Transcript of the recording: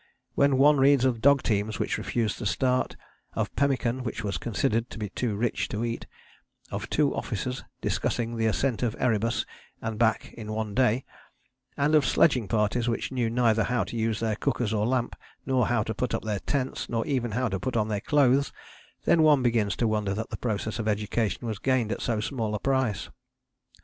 When one reads of dog teams which refused to start, of pemmican which was considered to be too rich to eat, of two officers discussing the ascent of Erebus and back in one day, and of sledging parties which knew neither how to use their cookers or lamp, nor how to put up their tents, nor even how to put on their clothes, then one begins to wonder that the process of education was gained at so small a price.